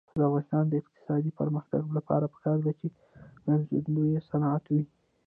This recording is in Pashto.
د افغانستان د اقتصادي پرمختګ لپاره پکار ده چې ګرځندوی صنعت وي.